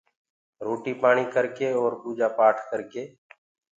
روٽيٚ پاڻيٚ ڪر ڪي اور پوٚجا پاٽ ڪر ڪي۔